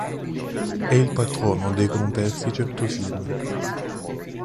È il patrono dei conversi certosini.